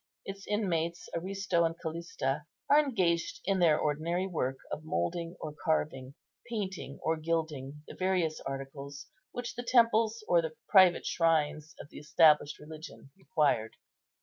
Its inmates, Aristo and Callista, are engaged in their ordinary work of moulding or carving, painting or gilding the various articles which the temples or the private shrines of the established religion required.